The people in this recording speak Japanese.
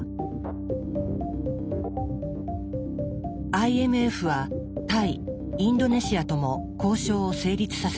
ＩＭＦはタイインドネシアとも交渉を成立させました。